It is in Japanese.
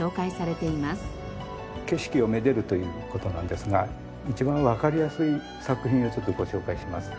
景色を愛でるという事なんですが一番わかりやすい作品をちょっとご紹介します。